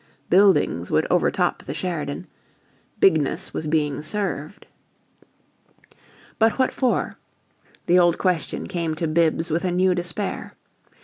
Buildings would overtop the Sheridan. Bigness was being served. But what for? The old question came to Bibbs with a new despair.